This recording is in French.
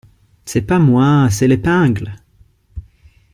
C’est pas moi… c’est l’épingle…